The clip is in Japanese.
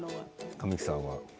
神木さんは？